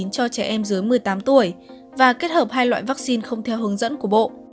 cho trẻ em dưới một mươi tám tuổi và kết hợp hai loại vaccine không theo hướng dẫn của bộ